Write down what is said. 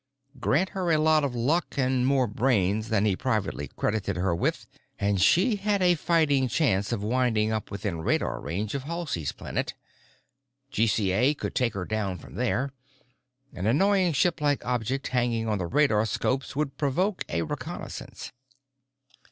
Grant her a lot of luck and more brains than he privately credited her with, and she had a fighting chance of winding up within radar range of Halsey's Planet. GCA could take her down from there; an annoying ship like object hanging on the radarscopes would provoke a reconnaissance.